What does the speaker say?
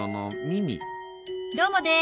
どうもです！